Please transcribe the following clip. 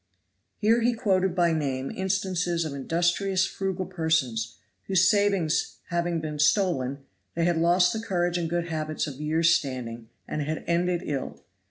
Here he quoted by name instances of industrious, frugal persons, whose savings having been stolen, they had lost courage and good habits of years' standing, and had ended ill.